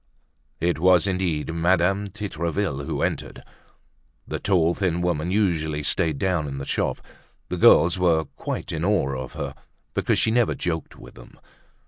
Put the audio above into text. It was indeed Madame Titreville who entered. The tall thin woman usually stayed down in the shop. The girls were quite in awe of her because she never joked with them.